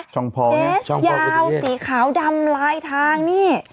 ช่องปอล์เนี่ยช่องปอล์เกอร์เดียเตสยาวสีขาวดำลายทางนี่